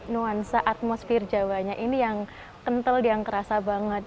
nuansa atmosfer jawanya ini yang kental yang kerasa banget